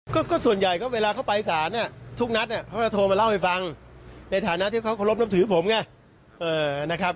ก็ส่วนใหญ่ก็เวลาเขาไปสารทุกนัดเขาจะโทรมาเล่าให้ฟังในฐานะที่เขาเคารพนับถือผมไงนะครับ